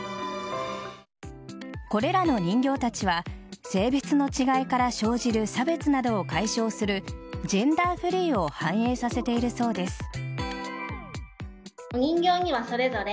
これらの人形たちは性別の違いから生じる差別などを解消するジェンダーフリーを反映させているそうです。